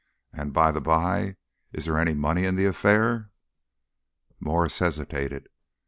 And, by the bye, is there any money in the affair?" Mwres hesitated.